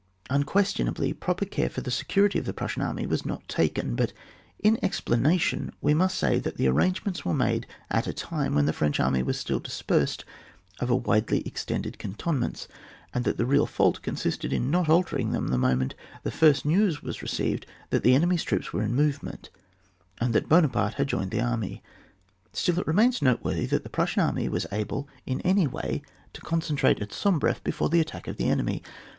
Unquestionably, proper care for the security of the Prussian army was not taken; but in explanation we must say that the arrangements were made at a time when the French army was still dispersed over widely extended canton ments, and that the real fault consisted in not altering them the moment the first news was received that the enemy's troops were in movement, and that Buo naparte had joined the army. Still it remains noteworthy that the Prussian army was able in any way tp concentrate at Sombreff before the attack of the enemy.